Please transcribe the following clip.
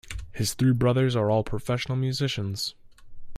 His three brothers are all professional musicians.